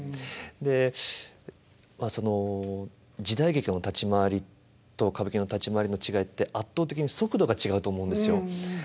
その時代劇の立ち回りと歌舞伎の立ち回りの違いって圧倒的に速度が違うと思うんですよ。